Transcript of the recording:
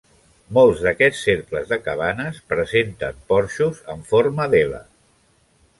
Molts d'aquests cercles de cabanes presenten porxos en forma d'L.